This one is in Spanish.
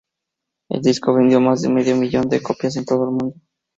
El disco vendió más de medio millón de copias en todo el mundo.